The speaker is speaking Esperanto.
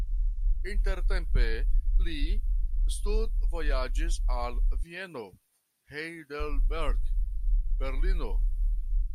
Intertempe li studvojaĝis al Vieno, Heidelberg, Berlino.